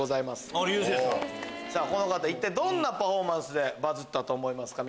この方どんなパフォーマンスでバズったと思いますか？